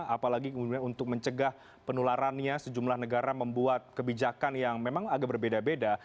apalagi untuk mencegah penularannya sejumlah negara membuat kebijakan yang memang agak berbeda beda